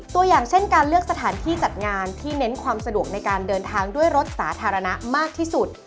ตัวอย่างเช่นการเลือกสถานที่จัดงานที่เน้นความสะดวกในการเดินทางด้วยรถสาธารณะมากที่สุด